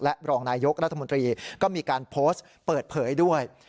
และรองนายยกรัฐมนตรีก็มีการโพสต์เปิดเผยด้วย